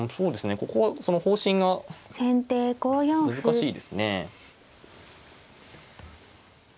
ここは方針が難しいですね。